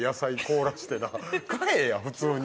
買えや、普通に。